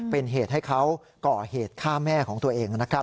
เป็นเหตุให้เขาก่อเหตุฆ่าแม่ของตัวเองนะครับ